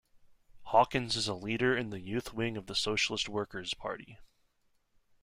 Hawkins is a leader in the youth wing of the Socialist Workers' Party.